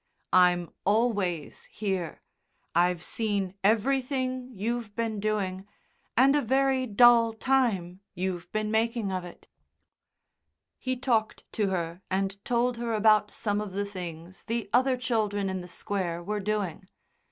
"I'm always here. I've seen everything you've been doing, and a very dull time you've been making of it." He talked to her and told her about some of the things the other children in the Square were doing.